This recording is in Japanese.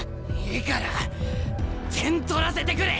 いいから点取らせてくれ。